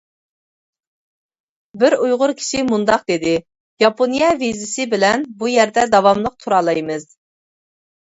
بىر ئۇيغۇر كىشى مۇنداق دېدى: ياپونىيە ۋىزىسى بىلەن بۇ يەردە داۋاملىق تۇرالايمىز.